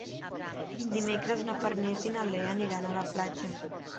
Dimecres na Farners i na Lea aniran a la platja.